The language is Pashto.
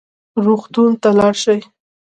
روغتون ته لاړ شئ